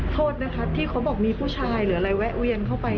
โทษนะคะที่เขาบอกมีผู้ชายหรืออะไรแวะเวียนเข้าไป